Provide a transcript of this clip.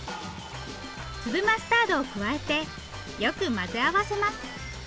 粒マスタードを加えてよく混ぜ合わせます！